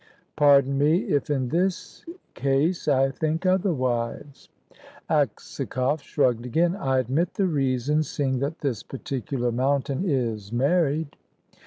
"Pardon me if in this case I think otherwise." Aksakoff shrugged again. "I admit the reason, seeing that this particular mountain is married."